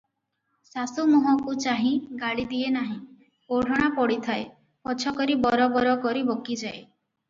ଶାଶୁ ମୁହଁକୁ ଚାହିଁ ଗାଳି ଦିଏ ନାହିଁ; ଓଢ଼ଣା ପଡ଼ିଥାଏ, ପଛ କରି ବରବର କରି ବକିଯାଏ ।